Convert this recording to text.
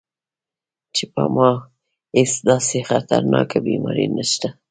چې پۀ ما هېڅ داسې خطرناکه بيماري نشته -